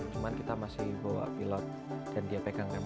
cuman kita masih bawa pilot dan dia pegang kan